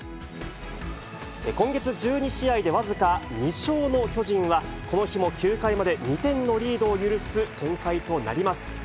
今月１２試合で僅か２勝の巨人は、この日も９回まで２点のリードを許す展開となります。